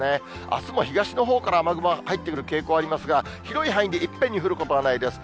あすも東のほうから雨雲は入ってくる傾向がありますが、広い範囲でいっぺんに降ることはないです。